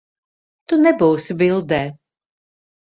Tu nebūsi bildē.